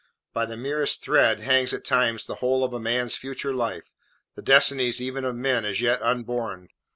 By the merest thread hangs at times the whole of a man's future life, the destinies even of men as yet unborn.